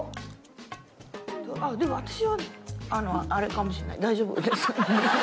でも私はあれかもしれない。